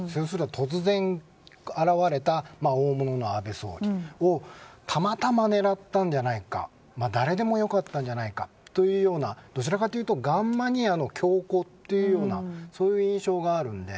突然、現れた大物の安倍総理をたまたま狙ったんじゃないか誰でもよかったんじゃないかというようなどちらかというとガンマニアの凶行という印象があるので。